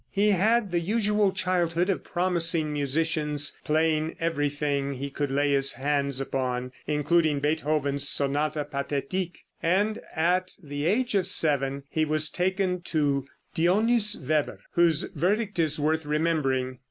] He had the usual childhood of promising musicians, playing everything he could lay his hands upon, including Beethoven's "Sonata Pathetique," and at the age of seven he was taken to Dionys Weber, whose verdict is worth remembering.